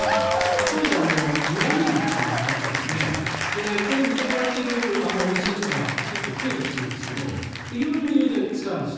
例えば湯あみ着というのがあってこれ、認められている温泉とか結構増えてきているんですが色んな理由で使うんです。